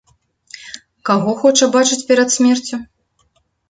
Каго хоча бачыць перад смерцю?